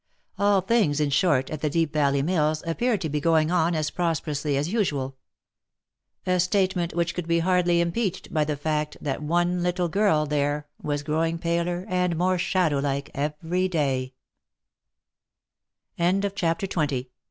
All things in short at the Deep Valley Mills appeared to be going on as prosperously as usual ; a statement which could be hardly impeached by the fact that one little girl there was growing paler and more s